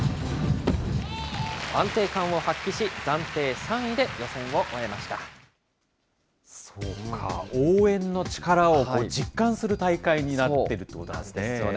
安定感を発揮し、そうか、応援の力を実感する大会になってるということなんですね。